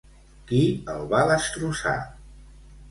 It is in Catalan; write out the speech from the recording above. Qui el va destrossar?